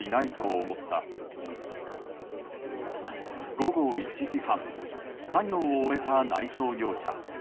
午後１時半作業を終えた内装業者。